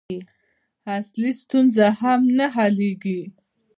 اصلي ستونزه هم نه حلېږي.